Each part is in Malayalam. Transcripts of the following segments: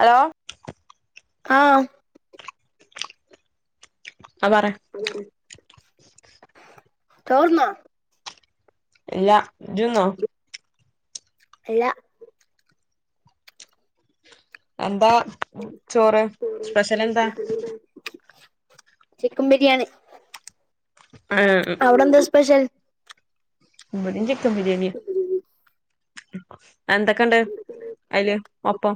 ഹലോ ആഹ് ആഹ് പറ ചോറ് ന്നാ ല്ലാ ജ്ജ് ന്നോ ഇല്ല എന്താ ചോറ് സ്പെഷ്യൽ എന്താ ചിക്കൻ ബിരിയാണി ഏ ആഹ് അവിടെ എന്താ സ്പെഷ്യൽ ഇവടിം ചിക്കൻ ബിരിയാണി എന്തൊക്കെ ഇണ്ട് അതില് ഒപ്പം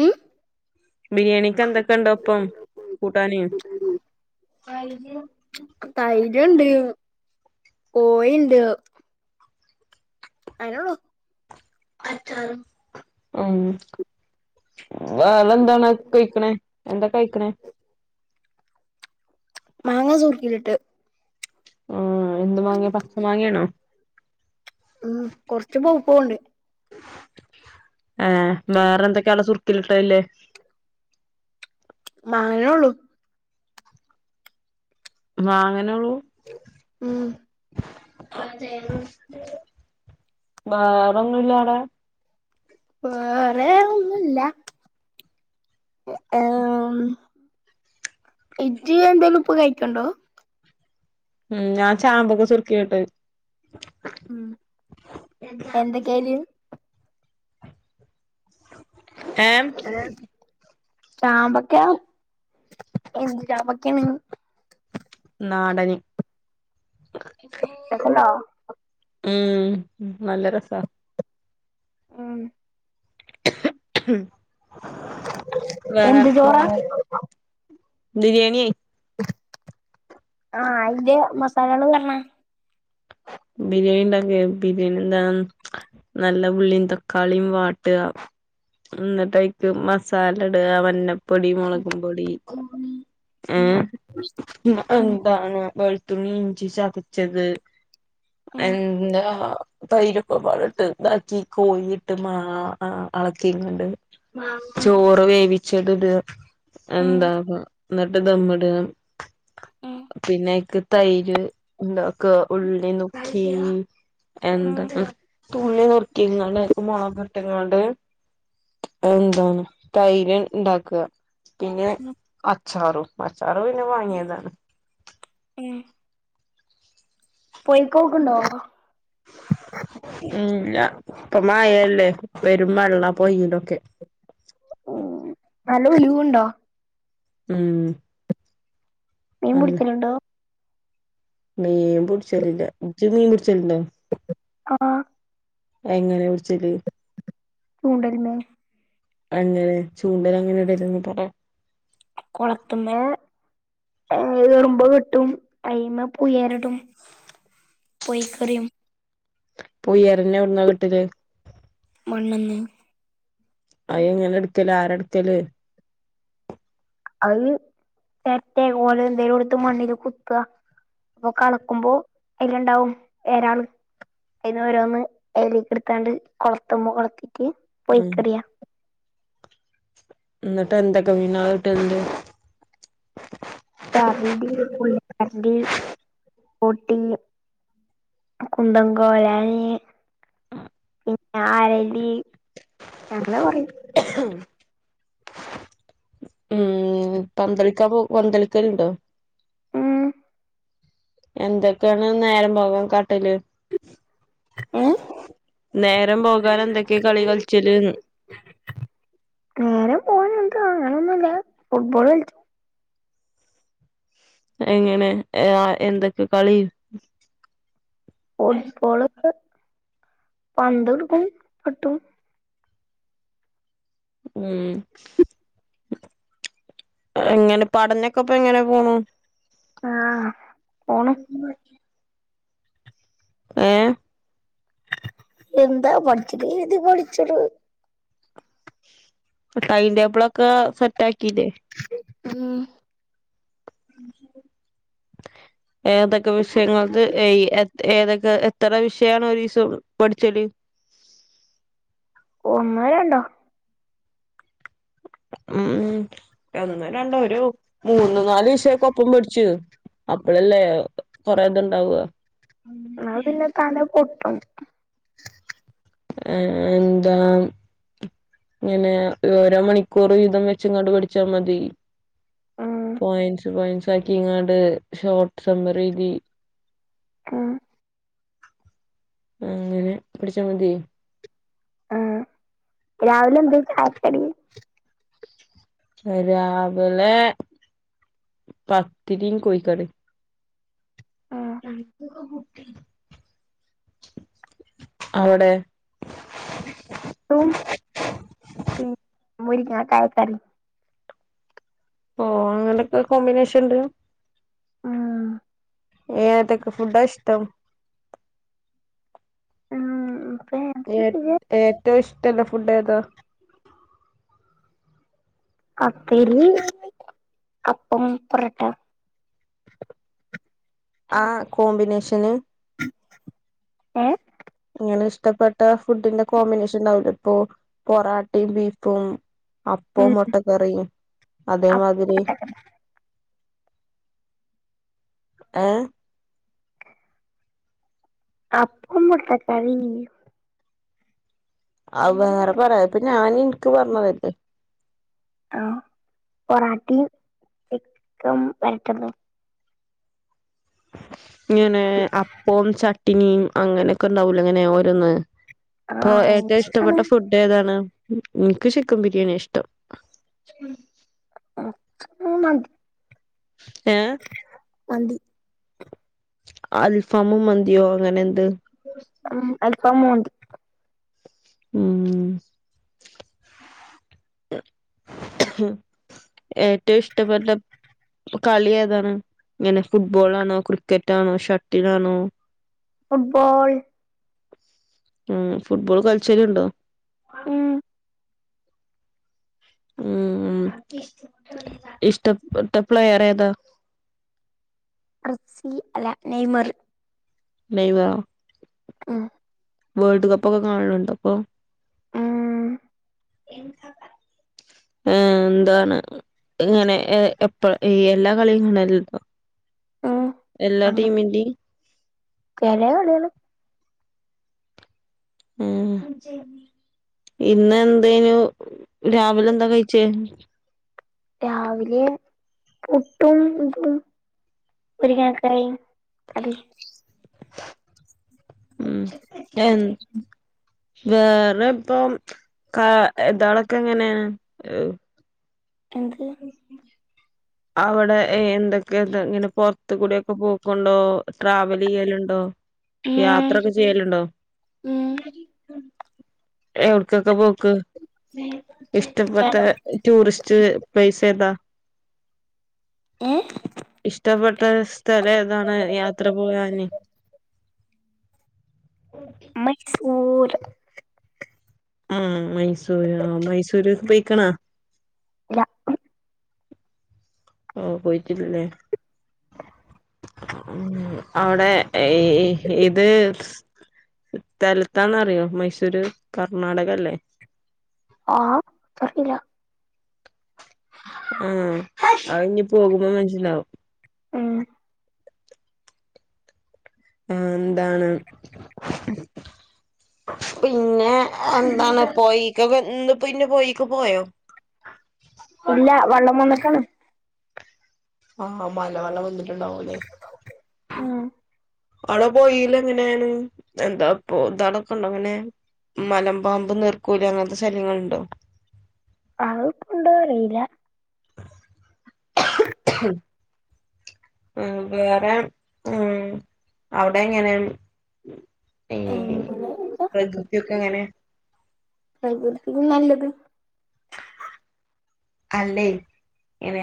ഉം ബിരിയാണിക്ക് എന്തൊക്കെ ഉണ്ടോ ഒ പ്പം കൂട്ടാന് കോയിണ്ട് അതന്നെളൂ മം വ എന്താണ് പഴിക്കണേ എന്താ കഴിക്കണേ മാങ്ങ സുർക്കിയിലിട്ട് ആഹ് എന്ത് മാങ്ങേ പച്ച മങ്ങേണോ മം കൊറച്ച് പൗ പൂണ്ട് ഏ വേറെ എന്തൊക്കെയാആടെ സുറ് ക്കിലിട്ടത് ഇല്ലേ മാങ്ങ ഉളൂ മാങ്ങന ഉള്ളൂ ഉം വേറെൊന്നുംല്ല അവിടെ വേറെേഒന്നുല്ല ഇജി എന്തേലും ഇപ്പം കഴിക്കണ്ടോ ഉം്ഞാ ചാമ്പൊക്കെ സുർക്കിലിട്ടത് ഉം എന്തൊക്കയില് ഏ ചാമ്പക്ക എന്ത് ചാമ്പക്കആണ് നാടന് [unintelligible] ഉം നല്ല രസാ അതന്നെ ഉം ഞാനാ എന്ത് ചോറാ ബിരിയാണിയേ ആഹ് അയിന്റെ മസാലകള് പർഞ്ഞാ ബിരിയാണി ഇണ്ടാക്കെ ബിരിയാണി എന്താ നല്ല ഉള്ളിയും തക്കാളിയും വാട്ട്ആ എന്നിട്ടൈക്ക് മസാല ഇടുക വന്നപ്പൊടി മുളകും പൊടി ഉം ഏഹ് എന്ന ഉം എന്താണ് വെളുത്തുള്ളി ഇഞ്ചി ചതച്ചത് ഉം എന്താ തൈരൊക്കെപാടിട്ട് ഇതാക്കി കോഴട്ട് മാ ആ അളക്കിങ്ങ്ണ്ട് ഉം ചോറ് വേവിച്ചത് ഇടുക ഉം എന്താ എന്നിട്ട് ദംഇടുക ഉം പിന്നെ അയ്ക്ക് തൈര് എന്താക്കാ ഉള്ളി നുക്കീ ഉം എന്താ തുള്ളി നുർക്കിങ്ങാണ്ട് ആയിൽക് മുളക് ഇട്ട്ങ്ങാണ്ട് എന്താണ് തൈര് ഇണ്ടാക്കുക. പിന്നെ ഉം അച്ചാറും അച്ചാറ് പിന്നെ വാങ്ങിയതാണ് ഉം പൊയിക്കോക്ക്ണ്ടോ? ഇല്ല ഇപ്പ മാഴല്ലേ? പെരും വെള്ള പൊയിലൊക്കെ. ഉം നല്ല ഒലിവുണ്ടോ? ഉം മീൻ അല്ല പിടിക്കലുണ്ടോ? മീൻ പുടിച്ചലില്ല. ഇജ്ജ് മീൻ പിടിച്ചല്ണ്ടോ? ആഹ് എങ്ങനെയാ പിടിച്ചല്? ചൂണ്ടൽമേ എങ്ങനെ ചൂണ്ടലങ്ങനെ ഇടലെന്ന് പറാ കൊളത്ത്മ്മേൽ ഏഹ് എറുമ്പ് കെട്ടും അയിമ്മേ പുയേറിടും പൊയീക്കെറിയും പുഴെറിഞ്ഞാ എവിടന്നാ കിട്ടല്? മണ്ണ്ന്ന് അയ് എങ്ങനെ എടുക്കല്? ആരാ എടുക്കല്? അത് തെർറ്റേ ഓലേ എന്തേലും എടുത്ത് മണ്ണില് കുത്തുക. അപ്പൊ കണക്കുമ്പോ അതില് ഇണ്ടാവും എരാളും അതിന് ഓരോന്ന് അതിലേക്ക് എടുത്താണ്ട് കൊളത്തുമ്മേ കൊളത്തീട്ട് ഉം പൊഴീക്കെറിയാ എന്നിട്ട് എന്തെക്കെ മീനള് കിട്ടല്ണ്ട്? തർണ്ടീ പൊളി തർണ്ടീ പോട്ടിങ്ങ് കുന്തം കോലായീ പിന്നെ ആരലി, അങ്ങനെ കൊറയും ഉം പന്തളിക്കാൻ പോ പന്തളിക്കൽണ്ടോ? ഉം എന്തൊക്കെയാണ് നേരം പോകാൻ കാട്ടല്? ഏഹ് നേരം പോകാൻ എന്തൊക്കെയാ കളി കളിച്ചല്ന്ന്? നേരം പോവാൻ എന്താ അങ്ങനൊന്നൂല്ല, ഫുട്ബോള് കളിച്ച എങ്ങനെ ഏ ആഹ് എന്തൊക്കെ കളി? ഫുട്ബോള് ഒക്കെ, പന്തെടുക്കും പട്ടും ഉം എങ്ങനെ പടനൊക്കെപ്പൊങ്ങനെ പോണു? ആഹ് പോണ്. [unintelligible] ഏഹ്. എന്താ പട്ച്ചൊക്കെ ചെയ്ത് പട്ച്ചിടു. ട്ടൈൻന്റെബ്ളൊക്കെ സെറ്റ് ആക്കിലെ? ഉം. ഏതൊക്കെ വിഷയങ്ങൾക്ക് എയ് എ. ഏതൊക്കെ എത്ര വിഷയണ് ഒരിസം പഠ്ച്ചല്. ഒന്നോ രണ്ടോ. ഉം ഒന്ന് രണ്ടോ ഒരു മൂന്ന് നാല് വിശയൊക്കെ ഒപ്പം പഠ്ച്ചു. അപ്പളല്ലേ കൊറെ തുണ്ടാവ്യ. ന്നാ പിന്നെ തല പൊട്ടും. ഏഹ്എന്താ. ങ്ങനെ ഓരോ മണിക്കൂർ വീതം വെച്ചങ്ങാണ്ട് പഠിച്ചാ മതി. ഉം പോയിന്റ്സ് പോയിന്റ്സ് ആക്കി ങ്ങാണ്ട് ഷോർട്ട് സമ്മറി ദി. ആഹ്. അങ്ങനെ പിടിച്ചാ മതി. ആഹ് രാവിലെന്തേ ചായക്കടി? രാവലെ പത്തിരിം കോയിക്കറിം. ആഹ്. ഞങ്ങ്ക്കക്ക പുട്ടി. അവടെ. ട്ടും പി മുരിങ്ങാകായ കറി. ഓഹ് അങ്ങനെക്കെ കോമ്പിനേഷണ്ട്? ഉം ഏതക്കെ ഫുഡാ ഇഷ്ടം? ഉം ഏ പിന്നെ ഏറ്റവും ഇഷ്ടല്ല ഫുഡേതാ? അപ്പരി അപ്പം പൊറട്ട. ആഹ് കോമ്പിനേഷന്. ഏഹ്. ങ്ങനെ ഇഷ്ടപ്പെട്ട ഫുഡിന്റെ കോമ്പിനേഷൻ ണ്ടാവൂലേ പ്പൊ പൊറാട്ടിം ബീഫും. അപ്പോം ഉം മുട്ടക്കറിയും അ അതേമാതിരി. ഏഹ്. അപ്പും മുട്ട കറിം. [unintelligible] ആ വേറെ പറേ പ്പൊ ഞാൻ ഇൻക്ക് പർഞ്ഞതല്ലേ? ആഹ് പൊറാട്ടിം ചിക്കം വരട്ടതു. ങ്ങനെ അപ്പോം ചട്ടിനിം അങ്ങനെക്കെ ണ്ടാവൂലേ ങ്ങനെ ഓരോന്ന്. ആ പ്പൊ അങ്ങനെ ഏറ്റവു ഇഷ്ടപ്പെട്ട ഇഷ്ടാണ് ഫുഡ്- ഏതാണ് മ് ഇൻക്ക് ചിക്കം ബിര്യാണ്യ ഇഷ്ടം. ച്ച് മ് മതി ഏ മന്തി. അൽഫാമും മന്തിയോ അങ്ങനെന്ത്. ഉം അൽഫാമും മന്തി. ഉം. ഹ് ഏറ്റവു ഇഷ്ടപ്പെട്ട പ കളി ഏതാണ്? ങ്ങനെ ഫുട്ബോളാണോ ക്രിക്കറ്റാണോ ഷട്ടിലാണോ? ഫുട്ബോൾ. ഉം ഫുട്ബോൾ കാൾച്ചല്ണ്ടോ? ഉം ഉം ഉം ഇഷ്ട്ടപ്പെട്ട പ്ലേയറേതാ? കസ്സി അല്ല നെയ്മർ. മെയ് വ. മ് വേൾഡ് കപ്പ് ഒക്കെ കാണല്ണ്ടപ്പൊ ഉം ഏ എന്താണ് ഇങ്ങനെ ഏ എപ്പ ഈ എല്ലാ കളിയുംങ്ങണല്ലോ ഉം എല്ലാ ടീമിന്റിം ചെല കളികള് ഏയ് ഇന്ന് എന്തനു രാവിലെ എന്താ കഴിച്ചേ രാവിലെ പുട്ടും ഇതും മുരിങ്ങ ആചാരി അതെ ഉം എ വേറെ ഇപ്പം ക യതാളൊക്കെ എങ്ങനെ എന്ത് അവിടെ എന്തൊക്കെ ഇങ്ങനെ പൊറത്തുടെക്കെ കൂട്വക്കെ പോക്കുണ്ടോ ട്രാവൽ ചെയ്യലുണ്ടോ ഉം യാത്രയൊക്കെ ചെയ്യലുണ്ടോ ഉം എവിടക്കൊക്കെ പോക്ക് ഇഷ്ടപ്പെട്ട ടൂറിസ്റ്റ് പൈസേ ഏതാ ഏ ഇഷ്ടപ്പെട്ട സ്ഥലം ഏതാണ് യാത്ര പോകാന് മൈസൂർ ഉം മൈസൂര് ആ മൈസൂര് പൊയിക്ക്ണ ഇല്ല ഓ പോയിട്ടില്ലേ ഉ അവിടെ ഇത് സ്ഥലത്താന്ന് അറിയോ മൈസൂര് കർണാടക അല്ലേ ആഹ് അത്രയില്ല ഉം അത് ഇനി പോകുമ്പോ മനസ്സിലാവും ഉം ഉം എന്താണ് പിന്നെ എന്താണ് പോയിക്ക് ഇന്ന് പിന്നെ പോയീക്ക് പോയോ ഇല്ല വള്ളം വന്നക്കാണ് ആ മലവെള്ളം വന്നിട്ടുണ്ടാവുംല്ലേ ഉം അവിടെ പൊയിലെ ങ്ങനെയാണ് എന്താ പൊതേളക്കണ്ടൊ അങ്ങനെയ മലമ്പാമ്പ് നീർക്കൂലി അങ്ങനത്തെ സ്ഥലങ്ങളുണ്ടോ ആഹ്പ്പണ്ടോ അറിയില്ല ആഹ് വേറെ ഉം അവിടെ എങ്ങനെ ഏ എങ്ങനെ പ്രകൃതിയൊക്കെ എങ്ങനെ എങ്കിൽ പിന്നെ നല്ലത് അല്ലേ ഇങ്ങനെ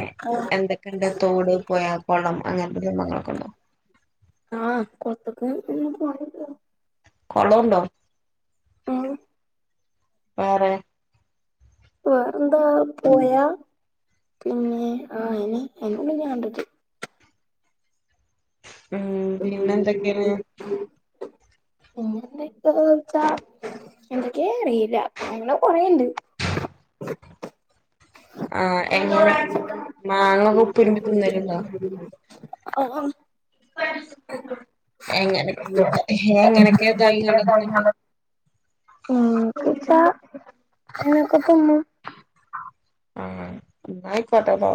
എന്തൊക്കെണ്ട് തോട് പോയാ കൊളം അങ്ങനത്തെ സംഭങ്ങളൊക്കെ ഉണ്ടോ ആഹ് കൊളത്ത്ക്കേ [unintelligible] കൊളൊണ്ടോ ആഹ് വേറെ വേറെന്താ പൊയാ പിന്നെ ആയിനി [unintelligible] ഉം പിന്നെ എന്തെക്കെണ് പിന്നെതക്കാണ് വെച്ച എന്തൊക്കെ അറിയില്ല അങ്ങനെ കൊറേണ്ട് ആഹ് എങ്ങനെ മാങ്ങ ഉപ്പ് രിബി തിന്നല്ണ്ടൊ ആഹ് എങ്ങന എങ്ങനൊക്കെതായി ഥായാണ്ടാ തിന്നല് വച്ച അങ്ങനെക്ക തിന്നും ആഹ് ന്നാ ആയിക്കോട്ടേ ട്ടൊ